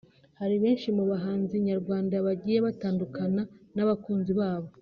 Hari benshi mu bahanzi nyarwanda bagiye batandukana n’abakunzi babo